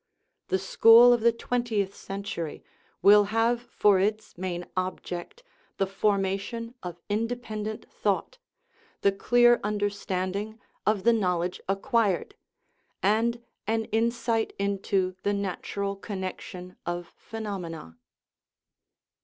The school of the twentieth century will have for its main object the formation of independent thought, the clear understanding of the knowledge acquired, and an insight into the natural connection of phenomena.